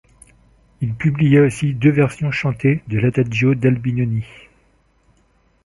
Il publia aussi deux versions chantées de l'Adagio d'Albinoni.